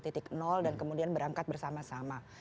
titik nol dan kemudian berangkat bersama sama